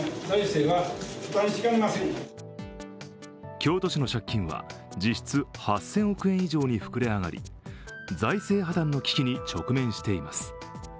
京都市の借金は実質８０００億円以上に膨れ上がり財政破綻の危機に直面しています。